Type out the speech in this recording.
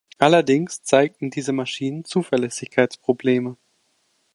Allerdings zeigten diese Maschinen Zuverlässigkeitsprobleme.